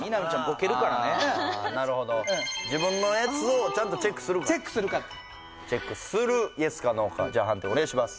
ああなるほど自分のやつをちゃんとチェックするかチェックするＹＥＳかＮＯか判定お願いします